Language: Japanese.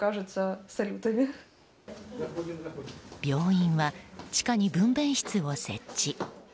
病院は地下に分娩室を設置。